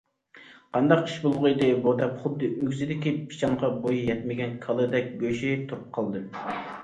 قانداق ئىش بولغىيدى بۇ، دەپ خۇددى ئۆگزىدىكى پىچانغا بويى يەتمىگەن كالىدەك گۆشىيىپ تۇرۇپ قالدىم.